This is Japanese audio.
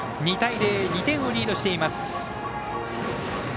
２対０、２点をリードしています。